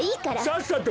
さっさと。